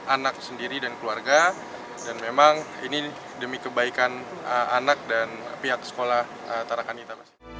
anak sendiri dan keluarga dan memang ini demi kebaikan anak dan pihak sekolah tarakanita